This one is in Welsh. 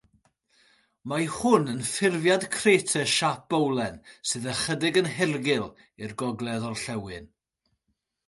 Mae hwn yn ffurfiad crater siâp bowlen sydd ychydig yn hirgul i'r gogledd-orllewin.